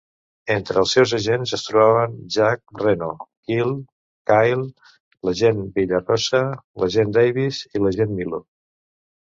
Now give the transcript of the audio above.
Entre els seus agents es trobaven Jack Reno, Keel, Kyle, l'agent Villarosa, l'agent Davis i l'agent Milo.